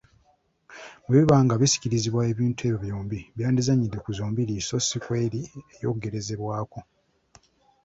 Bwe biba nga bisikirizibwa ebintu ebyo byombi, byandizannyidde ku zombiriri so ssi ku eri ey’okugerezebwako.